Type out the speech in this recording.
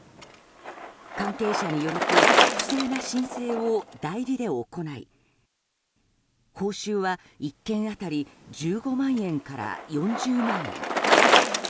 関係者によると不正な申請を代理で行い報酬は１件当たり１５万円から４０万円。